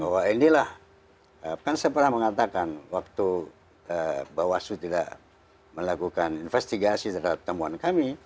bahwa inilah kan saya pernah mengatakan waktu bawaslu tidak melakukan investigasi terhadap temuan kami